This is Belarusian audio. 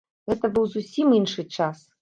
Гэта быў зусім іншы час!